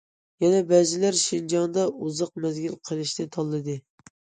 يەنە بەزىلەر شىنجاڭدا ئۇزاق مەزگىل قېلىشنى تاللىدى.